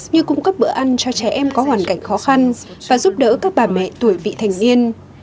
như cung cấp bữa ăn cho trẻ em có hoàn cảnh khó khăn và giúp đỡ các bà mẹ tuổi vị thành niên